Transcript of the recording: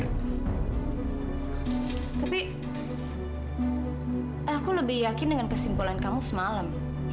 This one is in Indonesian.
tapi aku lebih yakin dengan kesimpulan kamu semalam